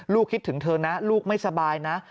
คิดถึงเธอนะลูกไม่สบายนะ